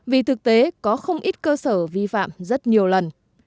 vì thực tế có không ít cơ sở vi phạm rất nhiều lần